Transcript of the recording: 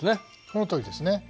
そのとおりですね。